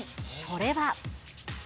それは。